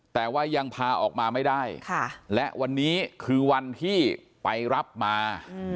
แต่ว่ายังพาออกมาไม่ได้และวันนี้คือวันที่ไปรับมา